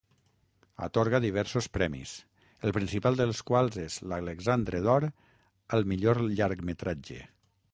Atorga diversos premis, el principal dels quals és l'Alexandre d'Or al millor llargmetratge.